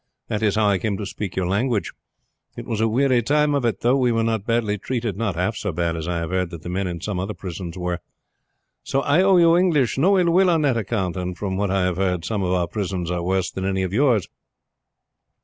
That is how I came to speak your language. It was a weary time of it; though we were not badly treated, not half so bad as I have heard that the men in some other prisons were. So I owe you English no ill will on that account, and from what I have heard some of our prisons are worse than any of yours.